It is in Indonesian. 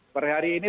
per hari ini